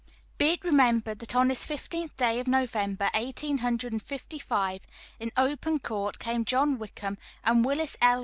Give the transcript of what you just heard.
_ "Be it remembered, that on this fifteenth day of November, eighteen hundred and fifty five, in open court came John Wickham and Willis L.